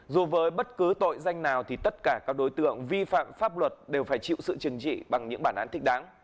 dù với bất cứ tội danh nào thì tất cả các đối tượng vi phạm pháp luật đều phải chịu sự chừng trị bằng những bản án thích đáng